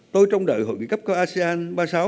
tôi trong đợi hội nghị cấp cao asean ba mươi sáu